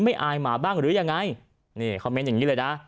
อายหมาบ้างหรือยังไงนี่คอมเมนต์อย่างนี้เลยนะ